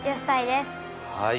はい。